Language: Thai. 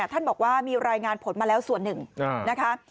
ท่านบอกว่ามีรายงานผลมาแล้วส่วนหนึ่งนะคะ